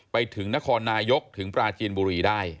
ไปถึงนครนายกถึงปราจีนบุรีได้